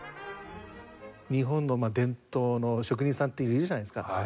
日本の伝統の職人さんっているじゃないですか。